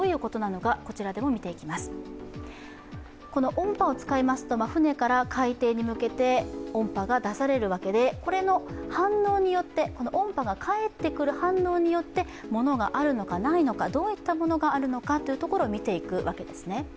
音波を使いますと船から海底に向けて音波が出されるわけで、この音波が返ってくる反応によって物があるのかないのかどういったものがあるのかというところを見ていくわけですね。